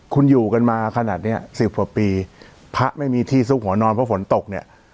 คุณอยู่กันมาขนาดเนี้ยสิบกว่าปีพระไม่มีที่ซุกหัวนอนเพราะฝนตกเนี่ย